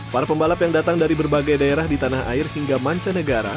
para pembalap yang datang dari berbagai daerah di tanah air hingga mancanegara